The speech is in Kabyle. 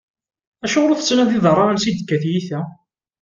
Acuɣeṛ ur tettnadiḍ ara ansa i ak-d-tekka tyita?